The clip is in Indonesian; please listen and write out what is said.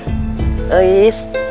eis berikan airnya ke kamu semua